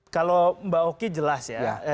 kalau mbak oki jelas ya